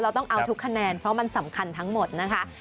ต้องเอาทุกคะแนนเพราะมันสำคัญทั้งหมดนะคะ